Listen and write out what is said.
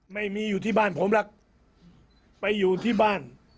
ไม่มีอยู่ที่บ้านผมหรอกไปอยู่ที่บ้าน